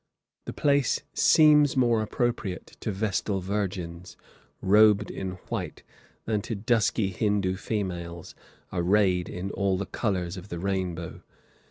The place seems more appropriate to vestal virgins, robed in white, than to dusky Hindoo females, arrayed in all the colors of the rainbow.